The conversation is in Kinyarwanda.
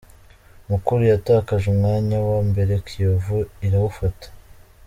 Mukura yatakaje umwanya wa mbere Kiyovu irawufata